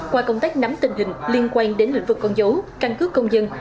qua công tác nắm tình hình liên quan đến lĩnh vực con dấu căn cứ công dân